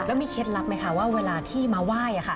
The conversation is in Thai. แล้วมีเคล็ดลับไหมคะว่าเวลาที่มาไหว้